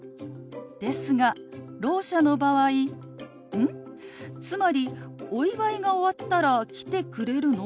ですがろう者の場合「うん？つまりお祝いが終わったら来てくれるの？」